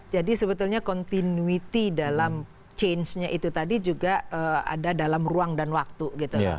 jadi sebetulnya continuity dalam changenya itu tadi juga ada dalam ruang dan waktu gitu